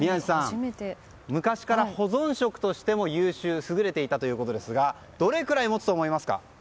昔から、保存食としても優秀で優れていたということですがどれくらい持つと思いますか？